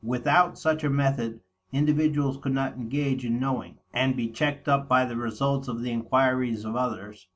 Without such a method individuals could not engage in knowing, and be checked up by the results of the inquiries of others.